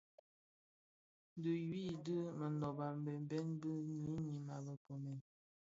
Di yuu di monōb a mbembe bi ňyinim a be nkoomèn.